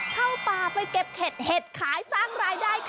เข้าป่าไปเก็บเห็ดเห็ดขายสร้างรายได้ค่ะ